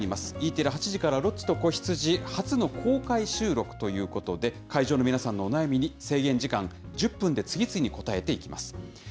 Ｅテレ、８時からロッチと子羊、初の公開収録ということで、会場の皆さんのお悩みに制限時間１０分で次々答えていきます。